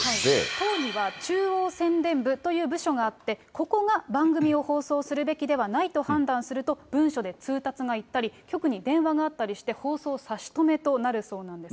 党には中央宣伝部という部署があって、ここが番組を放送するべきではないと判断すると、文書で通達がいったり、局に電話があったりして、放送差し止めとなるそうなんですね。